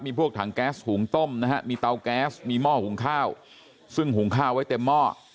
มีพวกถังแก๊สหุงต้มนะฮะมีเตาแก๊สมีหม้อหุงข้าวซึ่งหุงข้าวไว้เต็มหม้อ